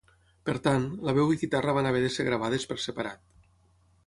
Per tant, la veu i guitarra van haver de ser gravades per separat.